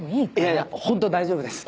いやいやホント大丈夫です。